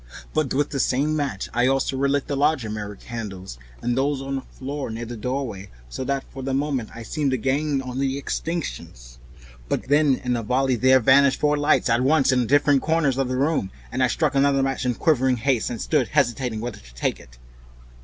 But with the same match I also relit the larger mirror candles, and those on the floor near the doorway, so that for the moment I seemed to gain on the extinctions. But then in a noiseless volley there vanished four lights at once in different corners of the room, and I struck another match in quivering haste, and stood hesitating whither to take it.